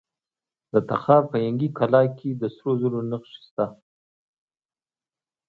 د تخار په ینګي قلعه کې د سرو زرو نښې شته.